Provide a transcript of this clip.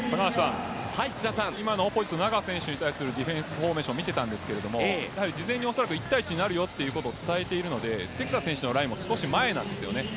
今のオポジットナガ選手に対するディフェンスフォーメーションを見ていたんですが事前に恐らく１対１になることを伝えているので関田のラインも少し前なんですね。